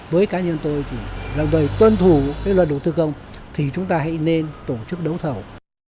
với cá nhân tôi thì lòng đời tuân thủ cái luật đồ tư công thì chúng ta hãy nên tổ chức đấu thầu